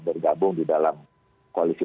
bergabung di dalam koalisi